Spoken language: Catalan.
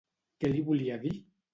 Què li volia dir?